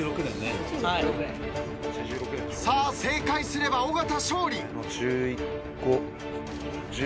さあ正解すれば尾形勝利。